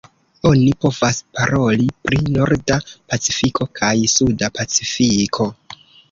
Oni povas paroli pri Norda Pacifiko kaj Suda Pacifiko.